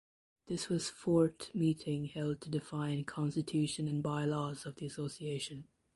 This was fourth meeting held to define constitution and bylaws of the association.